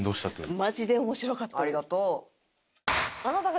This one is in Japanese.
マジで面白かったです。